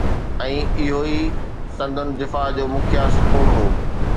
۽ اهو ئي سندن دفاع جو مکيه ستون هو.